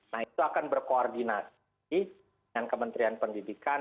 nah itu akan berkoordinasi dengan kementerian pendidikan